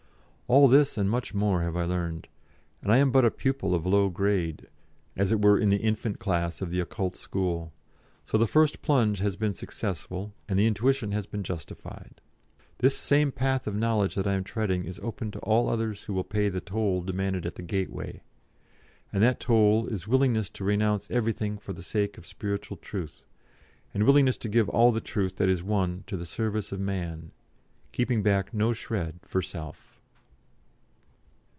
All this, and much more, have I learned, and I am but a pupil of low grade, as it were in the infant class of the Occult School; so the first plunge has been successful, and the intuition has been justified. This same path of knowledge that I am treading is open to all others who will pay the toll demanded at the gateway and that toll is willingness to renounce everything for the sake of spiritual truth, and willingness to give all the truth that is won to the service of man, keeping back no shred for self.